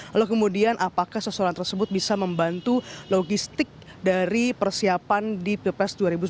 lalu kemudian apakah seseorang tersebut bisa membantu logistik dari persiapan di pilpres dua ribu sembilan belas